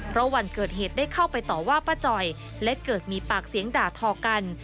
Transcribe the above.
เพราะวันเกิดเหตุได้เข้าไปต่อว่าป้าจ่อยและเกิดมีปากเสียงด่าทอกัน